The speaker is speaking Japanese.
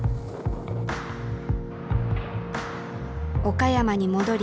岡山に戻り